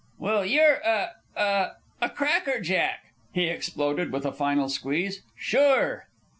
"Well, you're a a a crackerjack!" he exploded with a final squeeze. "Sure!"